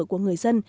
của người dân